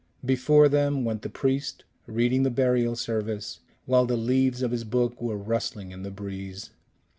Before them went the priest, reading the burial service, while the leaves of his book were rustling in the breeze.